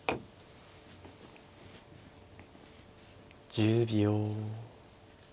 １０秒。